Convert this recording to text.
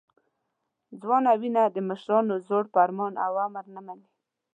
ځوانه وینه د مشرانو زوړ فرمان او امر نه مني.